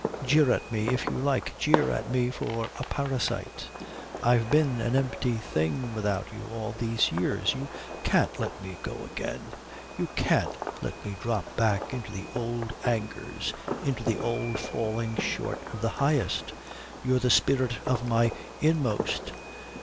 Jeer at me if you like. Jeer at me for a parasite. I've been an empty thing without you all these years. You can't let me go again. You can't let me drop back into the old angers, into the old falling short of the highest. You're the spirit of my inmost.